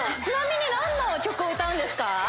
ちなみに何の曲を歌うんですか？